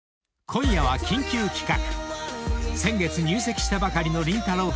［今夜は緊急企画先月入籍したばかりのりんたろー。